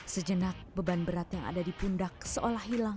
sejenak beban berat yang ada di pundak seolah hilang